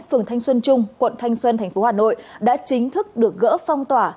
phường thanh xuân trung quận thanh xuân tp hà nội đã chính thức được gỡ phong tỏa